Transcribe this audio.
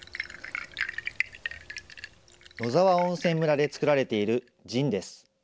野沢温泉村で造られているジンです。